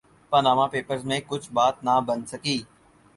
Panama papers میں کچھ بات نہ بن سکی۔